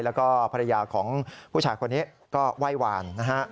และภรรยาของผู้ชายคนนี้ก็ไหว่วาน